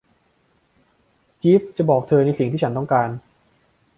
จีฟส์จะบอกเธอในสิ่งที่ฉันต้องการ